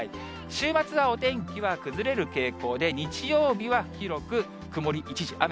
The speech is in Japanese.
週末はお天気は崩れる傾向で、日曜日は広く曇り一時雨。